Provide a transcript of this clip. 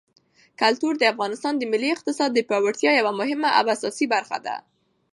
کلتور د افغانستان د ملي اقتصاد د پیاوړتیا یوه مهمه او اساسي برخه ده.